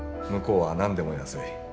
向こうは何でも安い。